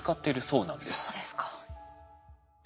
そうですか。